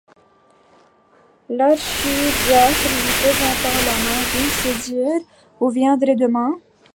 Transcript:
L’archidiacre lui présenta la main. — Donc c’est dit? vous viendrez demain.